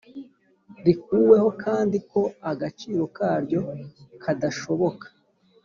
rikuweho kandi ko agaciro karyo kadashoboka